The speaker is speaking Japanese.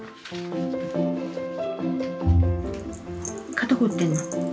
肩凝ってんの？